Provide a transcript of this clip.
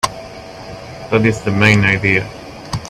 That's the main idea.